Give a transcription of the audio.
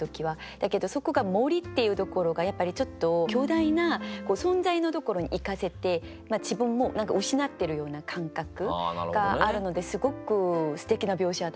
だけどそこが森っていうところがやっぱりちょっと巨大な存在のところにいかせて自分も何か失ってるような感覚があるのですごくすてきな描写だなって思いました。